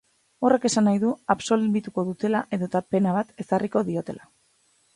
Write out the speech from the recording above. Horrek esan nahi du absolbituko dutela edota pena bat ezarriko diotela.